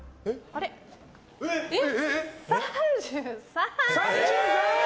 ３３！